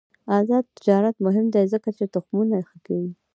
آزاد تجارت مهم دی ځکه چې تخمونه ښه کوي.